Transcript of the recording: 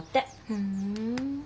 ふん。